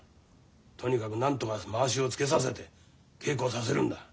とにかくなんとかまわしをつけさせて稽古をさせるんだ。